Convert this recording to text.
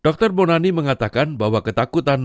dr bonani mengatakan bahwa ketakutan